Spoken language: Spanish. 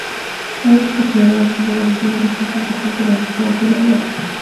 Es considerada como uno de los líderes más importantes de la sociedad colombiana.